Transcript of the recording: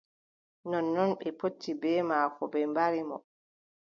Nonnon ɓe potti bee maako ɓe mbari mo.